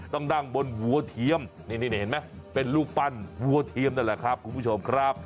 ต้องนั่งบนวัวเทียมนี่เห็นไหมเป็นรูปปั้นวัวเทียมนั่นแหละครับคุณผู้ชมครับ